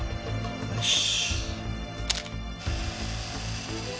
よし。